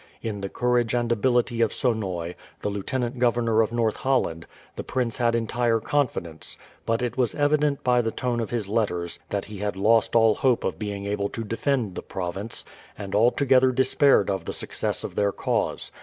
In the courage and ability of Sonoy, the Lieutenant Governor of North Holland, the prince had entire confidence; but it was evident by the tone of his letters that he had lost all hope of being able to defend the province, and altogether despaired of the success of their cause.